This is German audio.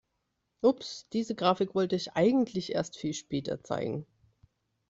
Ups, diese Grafik wollte ich eigentlich erst viel später zeigen.